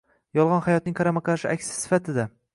- “yolg‘on hayotning” qarama-qarshi aksi sifatida